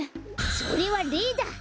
それはレだ！